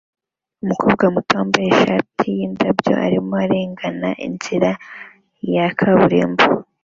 Umukobwa muto wambaye ishati yindabyo arimo arengana inzira ya kaburimbo